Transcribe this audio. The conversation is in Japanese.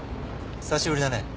久しぶりだね。